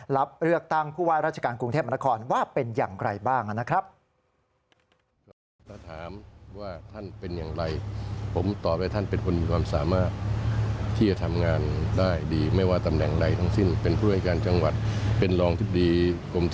รับเลือกตั้งผู้ว่าราชการกรุงเทพมนครว่าเป็นอย่างไรบ้างนะครับ